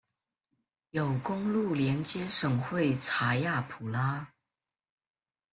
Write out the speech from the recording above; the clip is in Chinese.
有公路连接省会查亚普拉。